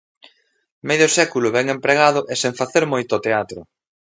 Medio século ben empregado e sen facer moito teatro.